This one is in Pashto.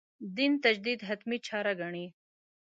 دین تجدید «حتمي» چاره ګڼي.